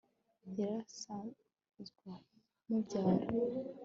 yar'asanzw'amubyaye